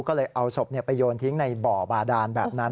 ก็เลยเอาศพไปโยนทิ้งในบ่อบาดานแบบนั้น